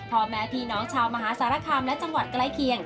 พ่อแม่พี่น้องชาวมหาสารคามและจังหวัดใกล้เคียง